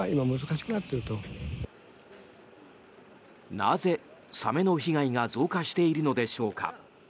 なぜサメの被害が増加しているのでしょうか。